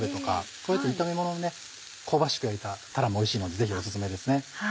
こうやって炒めものにね香ばしく焼いたたらもおいしいのでぜひオススメですね。